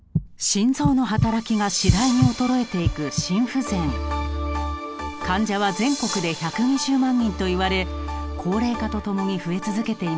心臓の働きが次第に衰えていく患者は全国で１２０万人といわれ高齢化とともに増え続けています。